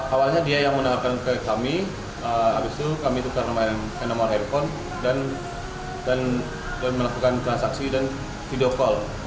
awalnya dia yang menawarkan ke kami habis itu kami tukar nomor handphone dan melakukan transaksi dan video call